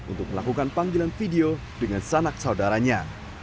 untuk melakukan panggilan video dengan sanak saudaranya